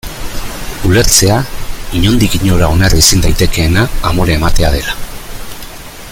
Ulertzea inondik inora onar ezin daitekeena amore ematea dela.